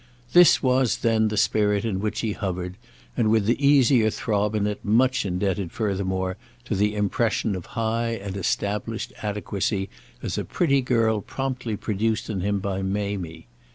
This was then the spirit in which he hovered, and with the easier throb in it much indebted furthermore to the impression of high and established adequacy as a pretty girl promptly produced in him by Mamie.